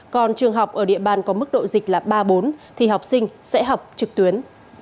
còn trường học ở địa bàn có mức độ dịch là ba bốn thì học sinh sẽ học trực tuyến